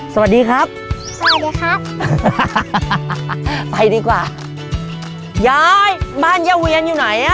สวัสดีครับสวัสดีครับไปดีกว่ายายบ้านย่าเวียนอยู่ไหนอ่ะ